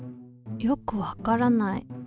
よくわからない。